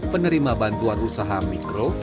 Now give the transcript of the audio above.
penerima bantuan usaha mikro